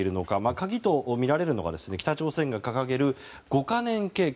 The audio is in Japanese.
鍵とみられるのが北朝鮮が掲げる５か年計画